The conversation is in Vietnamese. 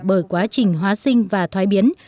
bởi quá trình hóa sinh và thoái biến